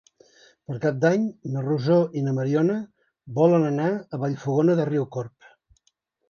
Per Cap d'Any na Rosó i na Mariona volen anar a Vallfogona de Riucorb.